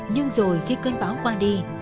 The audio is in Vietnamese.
nhưng rồi khi cơn bão qua đi